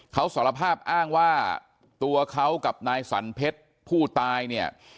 เขาสารภาพอ้างว่าตัวเขากับนายสันเพชรผู้ตายเนี่ย